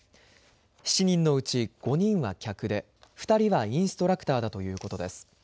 ７人のうち５人は客で２人はインストラクターだということです。